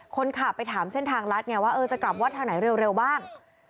คนขับไปถามเส้นทางรัฐไงว่าจะกลับวัดทางไหนเร็วบ้าง